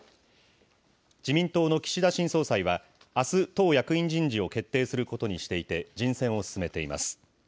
自民党の岸田新総裁は、あす、党役員人事を決定することにしていて、人選を進めています。